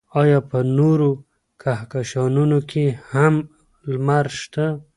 ایا په نورو کهکشانونو کې هم لمر شته؟